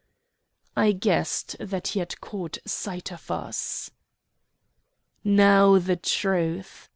I guessed that he had caught sight of us. "Now the truth!"